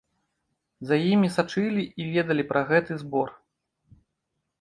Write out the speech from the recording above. За імі сачылі і ведалі пра гэты збор.